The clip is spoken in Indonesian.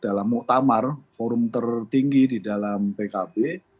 dalam muktamar forum tertinggi di dalam pkb